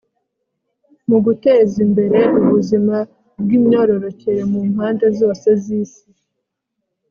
mu guteza imbere ubuzima bw imyororokere mu mpande zose z isi